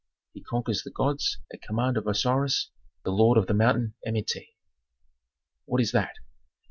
He conquers the gods at command of Osiris, the lord of the mountain Amenti. "What is that?